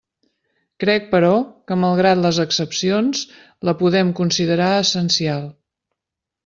Crec, però, que, malgrat les excepcions, la podem considerar essencial.